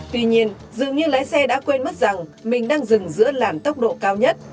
tuy nhiên dường như lái xe đã quên mất rằng mình đang dừng giữa làn tốc độ cao nhất